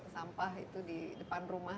sampah itu di depan rumah